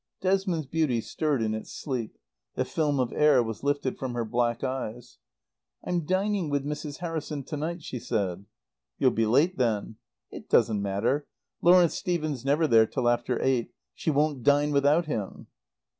Desmond's beauty stirred in its sleep. The film of air was lifted from her black eyes. "I'm dining with Mrs. Harrison to night," she said. "You'll be late then." "It doesn't matter. Lawrence Stephen's never there till after eight. She won't dine without him."